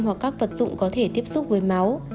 hoặc các vật dụng có thể tiếp xúc với máu